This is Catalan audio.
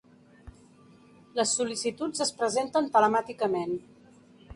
Les sol·licituds es presenten telemàticament.